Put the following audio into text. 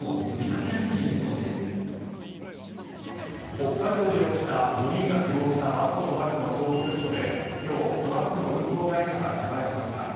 北海道で起きた５人が死亡したバスとトラックの衝突事故で今日、トラックの運行会社が謝罪しました。